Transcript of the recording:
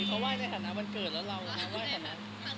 เขาไหว้ในฐานะวันเกิดแล้วเราไหว้ในฐานะ